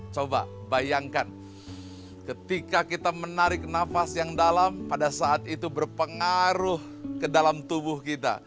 coba bayangkan ketika kita menarik nafas yang dalam pada saat itu berpengaruh ke dalam tubuh kita